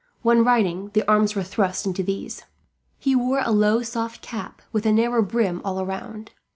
When riding, the arms were thrust into these. He wore a low soft cap with a narrow brim all round.